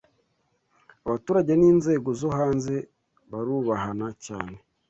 abaturage ninzego zo hanze barubahan cyane